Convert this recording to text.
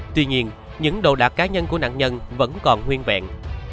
tuy nhiên những đồ đạc cá nhân của nạn nhân vẫn còn nguyên vẹn